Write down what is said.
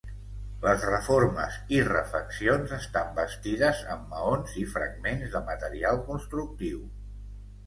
Les reformes i refeccions estan bastides amb maons i fragments de material constructiu.